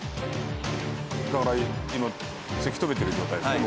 だから今せき止めてる状態ですよね